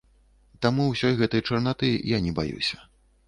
Таму ўсёй гэтай чарнаты я не баюся.